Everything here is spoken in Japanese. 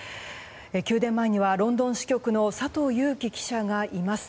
宮殿前にはロンドン支局の佐藤裕樹記者がいます。